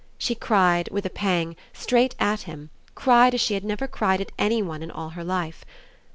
She cried, with a pang, straight AT him, cried as she had never cried at any one in all her life.